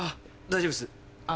大丈夫です。